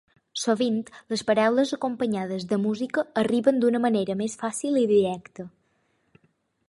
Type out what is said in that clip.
Sovint, les paraules acompanyades de música arriben d'una manera més fàcil i directa.